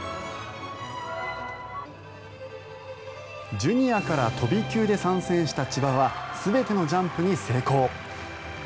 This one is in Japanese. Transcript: ジュニアから飛び級で参戦した千葉は全てのジャンプに成功。